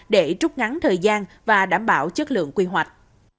để trút ngắn thời gian và đảm bảo chất lượng quy hoạch